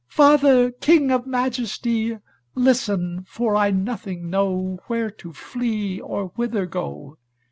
"Father, king of Majesty, Listen, for I nothing know Where to flee or whither go.